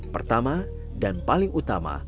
pertama dan paling utama